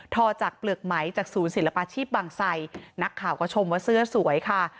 อจากเปลือกไหมจากศูนย์ศิลปาชีพบางไสนักข่าวก็ชมว่าเสื้อสวยค่ะ